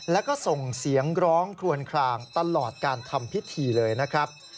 แล้วก็ส่งเสียงร้องคลวนคลางตลอดการทำพิธีเลยนะครับ